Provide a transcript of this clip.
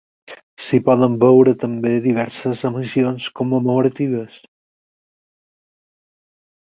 S'hi poden veure també diverses emissions commemoratives.